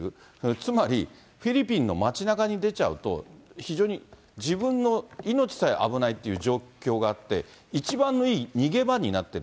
つまり、フィリピンの街なかに出ちゃうと、非常に自分の命さえ危ないという状況があって、一番いい逃げ場になってる。